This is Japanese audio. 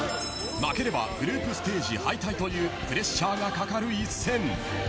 負ければグループステージ敗退というプレッシャーがかかる一戦。